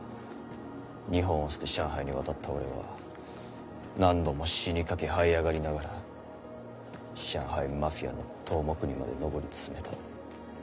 日本を捨て上海に渡った俺は何度も死にかけはい上がりながら上海マフィアの頭目にまで上り詰めた。